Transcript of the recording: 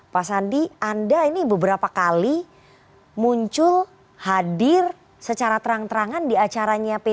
pak sandi anda ini beberapa kali muncul hadir secara terang terangan di acaranya p tiga